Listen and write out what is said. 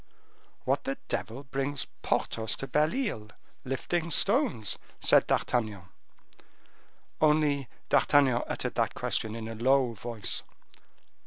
"What the devil brings Porthos to Belle Isle, lifting stones?" said D'Artagnan; only D'Artagnan uttered that question in a low voice.